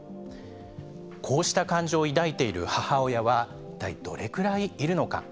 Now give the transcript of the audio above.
こうした感情を抱いている母親は一体どれくらいいるのか。